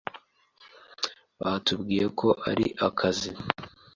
batubwiye ko ari akazi,